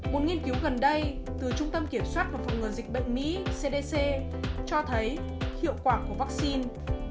một nghiên cứu gần đây từ trung tâm kiểm soát và phòng ngừa dịch bệnh mỹ cdc cho thấy hiệu quả của vaccine